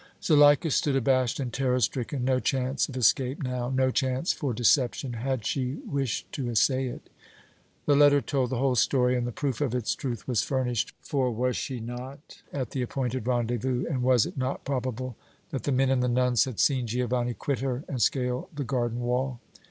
Zuleika stood abashed and terror stricken. No chance of escape now. No chance for deception had she wished to essay it. The letter told the whole story, and the proof of its truth was furnished, for was she not at the appointed rendezvous, and was it not probable that the men and the nuns had seen Giovanni quit her and scale the garden wall?